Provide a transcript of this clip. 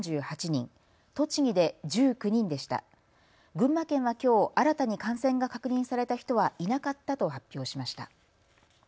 群馬県はきょう新たに感染が確認された人はいなかったと発表しました。